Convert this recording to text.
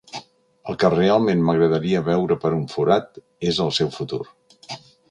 El que realment m'agradaria veure per un forat és el seu futur.